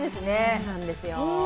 そうなんですよ